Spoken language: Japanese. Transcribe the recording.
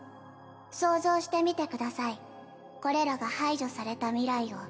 想像してみてくださいこれらが排除された未来を。